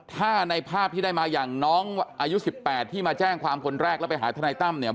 ถ้าในภาพที่ได้มาอย่างน้องอายุ๑๘ที่มาแจ้งความคนแรกแล้วไปหาทนายตั้มเนี่ย